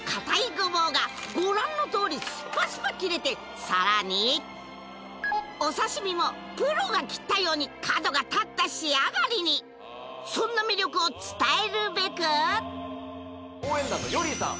ゴボウがご覧のとおりスパスパ切れてさらにお刺身もプロが切ったように角が立った仕上がりにそんな魅力を伝えるべく応援団のヨリーさん